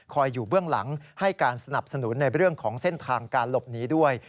อยู่เบื้องหลังให้การสนับสนุนในเรื่องของเส้นทางการหลบหนีด้วย